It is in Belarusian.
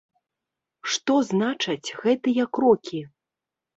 Што значаць гэтыя крокі?